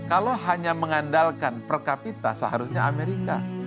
kalau hanya mengandalkan per kapita seharusnya amerika